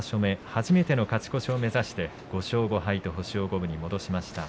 初めての勝ち越しを目指して５勝５敗と星を戻しました。